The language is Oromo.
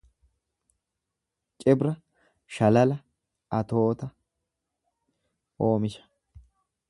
Cibra shalala atoota, oomisha